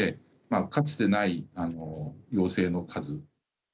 かつてない陽性の数。